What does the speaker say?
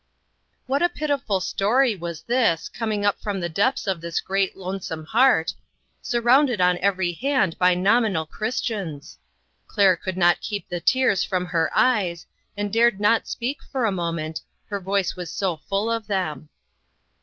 What a pitiful story was this, coming up from the depths of the great, lonesome heart, surrounded on every hand by nominal Chris tians! Claire could not keep the tears from her eyes, and dared not speak for a moment, her voice was so full of them.